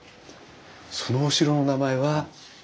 そのお城の名前は。